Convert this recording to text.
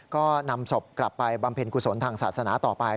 ก็นำศพกลับไปบำเพ็ญกุศลทางศาสนาต่อไป